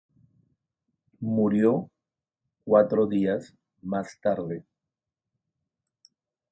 Murió cuatro días más tarde.